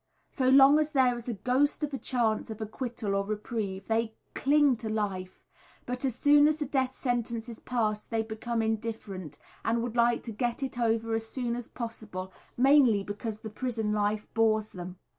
So long as there is a ghost of a chance of acquittal or reprieve, they cling to life, but as soon as the death sentence is passed they become indifferent, and would like to "get it over" as soon as possible, mainly because the prison life bores them.